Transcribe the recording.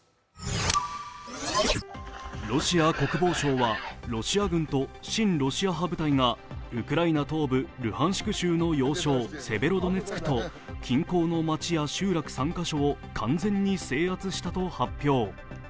ロシア国防省はロシア軍と親ロシア派部隊がウクライナ東部ルハンシク州の要衝、セベロドネツクと近郊の街や集落３カ所を完全に制圧したと発表。